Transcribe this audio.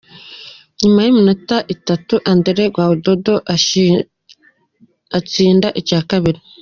Nyuma y’iminota itatu Andrés Guardado atsinda icya kabiri.